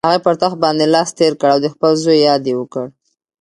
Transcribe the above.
هغې پر تخت باندې لاس تېر کړ او د خپل زوی یاد یې وکړ.